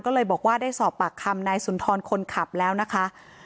ก็เลยบอกว่าได้สอบปากคำนายสุนทรคนขับแล้วนะคะ